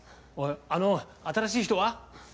おいあの新しい人は？